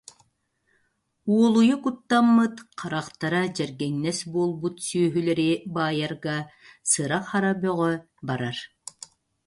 Уолуйа куттаммыт, харахтара дьэргэҥнэс буолбут сүөһүлэри баайарга сыра-хара бөҕө барар